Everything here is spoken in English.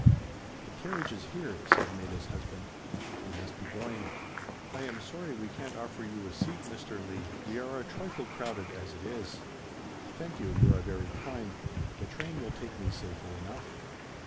"The carriage is here," said Maida's husband, "we must be going; I am sorry we can't offer you a seat, Mr. Leigh, we are a trifle crowded as it is." "Thank you, you are very kind. The train will take me safely enough."